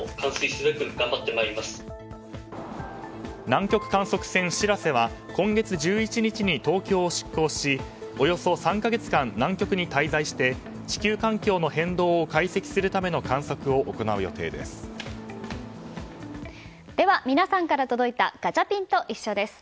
南極観測船「しらせ」は今月１１日に東京を出港しおよそ３か月間南極に滞在して地球環境の変動を解析するための観測を行う予定です。